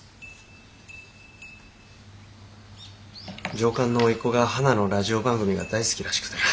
上官のおいっ子がはなのラジオ番組が大好きらしくて。